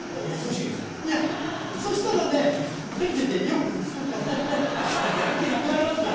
いやそしたらねテレビでよく映るから。